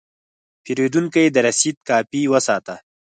پیرودونکی د رسید کاپي وساته.